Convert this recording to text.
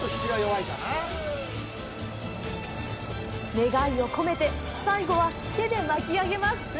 願いを込めて、最後は手で巻き上げます。